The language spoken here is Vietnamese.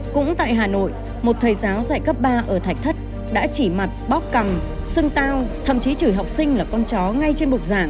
cũng tại hà nội một thầy giáo dạy cấp ba ở thạch thất đã chỉ mặt bóc cằm sưng tao thậm chí chửi học sinh là con chó ngay trên bục giảng